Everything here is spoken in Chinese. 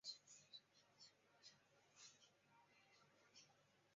金饰章。